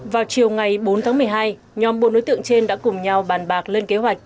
vào chiều ngày bốn tháng một mươi hai nhóm bốn đối tượng trên đã cùng nhau bàn bạc lên kế hoạch